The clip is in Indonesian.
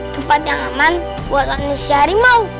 tempat yang aman buat manusia harimau